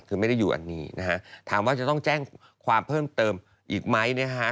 คือไม่ได้อยู่อันนี้นะฮะถามว่าจะต้องแจ้งความเพิ่มเติมอีกไหมนะฮะ